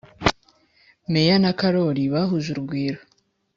Meya na karori bahuje urugwiro